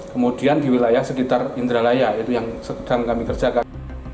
kemudian di wilayah sekitar indralaya itu yang sedang kami kerjakan